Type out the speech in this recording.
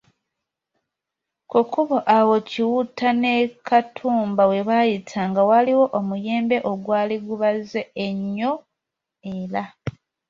Ku kkubo awo Kiwutta ne Katumba we baayitanga waaliwo omuyembe ogwali gubaze ennyo era